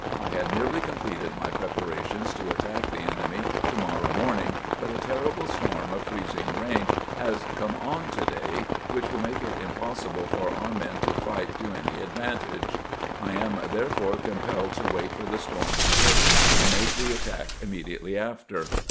I had nearly completed my preparations to attack the enemy to morrow morning, but a terrible storm of freez ing rain has come on to day, which will make it impos sible for our men to fight to any advantage. I am therefore compelled to wait for the storm to break, and make the attack immediately after.